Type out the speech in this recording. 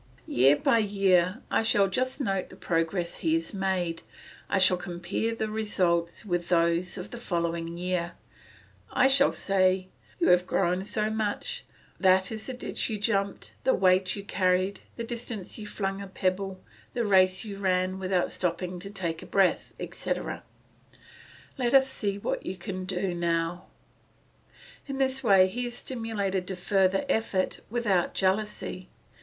Year by year I shall just note the progress he had made, I shall compare the results with those of the following year, I shall say, "You have grown so much; that is the ditch you jumped, the weight you carried, the distance you flung a pebble, the race you ran without stopping to take breath, etc.; let us see what you can do now." In this way he is stimulated to further effort without jealousy.